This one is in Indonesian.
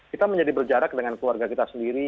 kita menjadi berjarak dengan keluarga kita sendiri